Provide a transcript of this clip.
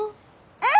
うん。